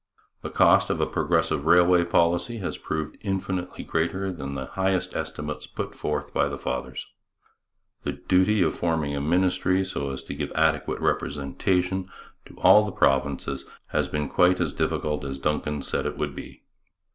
The cost of a progressive railway policy has proved infinitely greater than the highest estimates put forth by the Fathers. The duty of forming a ministry so as to give adequate representation to all the provinces has been quite as difficult as Dunkin said it would be.